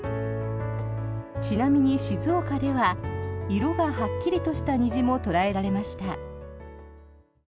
ちなみに静岡では色がはっきりとした虹も捉えられました。